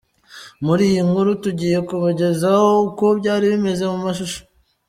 Muri iyi nkuru tugiye kubagezaho uko byari bimeze mu mashusho.